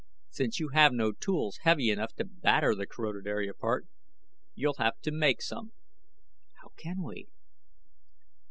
Since you have no tools heavy enough to batter the corroded area apart, you'll have to make some." "How can we?"